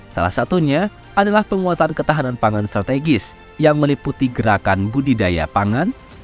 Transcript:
salah satunya adalah penguatan ketahanan pangan strategis yang meliputi gerakan budidaya pangan